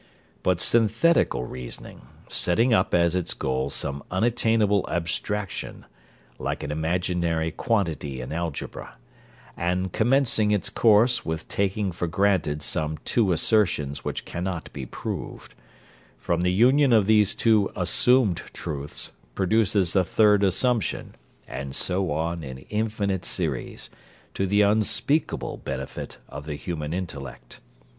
But synthetical reasoning, setting up as its goal some unattainable abstraction, like an imaginary quantity in algebra, and commencing its course with taking for granted some two assertions which cannot be proved, from the union of these two assumed truths produces a third assumption, and so on in infinite series, to the unspeakable benefit of the human intellect.